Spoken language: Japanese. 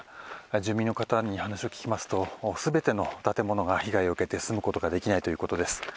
住民の方に話を聞きますと全ての建物が被害を受けて、住むことができないということです。